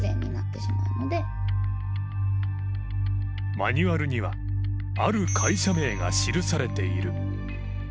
マニュアルにはある会社名が記されている。